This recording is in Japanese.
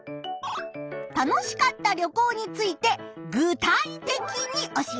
楽しかった旅行について具体的に教えて。